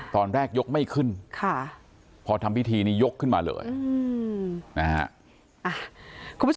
ตอนแรกยกไม่ขึ้นค่ะพอทำพิธีนี้ยกขึ้นมาเลยอืมนะฮะ